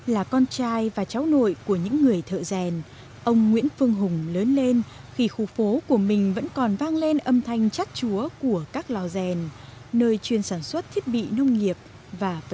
là con trai và cháu nội của những người thợ rèn ông nguyễn phương hùng lớn lên khi khu phố của mình vẫn còn vang lên âm thanh chát chúa của các lò rèn nơi chuyên sản xuất thiết bị nông nghiệp và phụ nữ